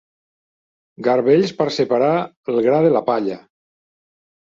Garbells per separar el gra de la palla.